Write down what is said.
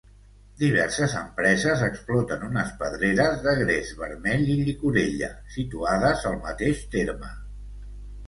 Diverses empreses exploten unes pedreres de gres vermell i llicorella, situades al mateix terme.